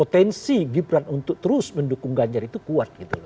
kalau bukan gibran artinya potensi gibran untuk terus mendukung ganjar itu kuat gitu